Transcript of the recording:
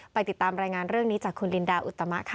ติดตามรายงานเรื่องนี้จากคุณลินดาอุตมะค่ะ